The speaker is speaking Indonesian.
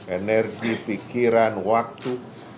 energi pikiran waktu